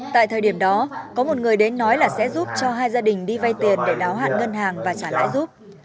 tại thời điểm đó có một người đến nói là sẽ giúp cho hai gia đình đi vay tiền để đáo hạn ngân hàng và trả lãi giúp